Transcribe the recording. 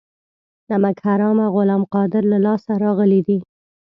نمک حرامه غلام قادر له لاسه راغلي دي.